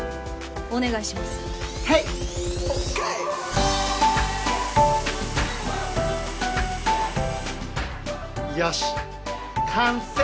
お願いしますはいよしっ完成！